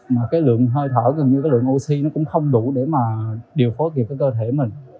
mà cái lượng hơi thở gần như cái lượng oxy nó cũng không đủ để mà điều phối kịp với cơ thể mình